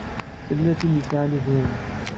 Tella tin i yesɛan uguren.